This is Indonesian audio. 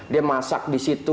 dia masak di situ